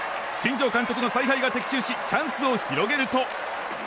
新庄監督の采配が的中しチャンスを広げると。